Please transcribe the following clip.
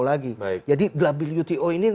lagi jadi wto ini